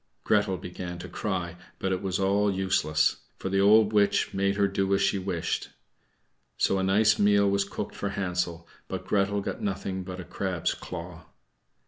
Gretel began to cry, but it was all useless, for the old witch made her do as she wished. So a nice meal was cooked for Hansel, but Gretel got nothing but a crab's claw.